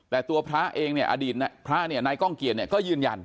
แต่ตัวพระเองเนี่ยอดีตพระเนี่ยนายก้องเกียจเนี่ยก็ยืนยัน